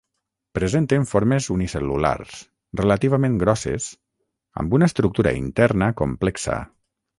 Presenten formes unicel·lulars, relativament grosses, amb una estructura interna complexa.